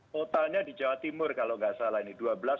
totalnya di jawa timur kalau nggak salah ini